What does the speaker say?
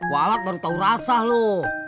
walat baru tau rasa lo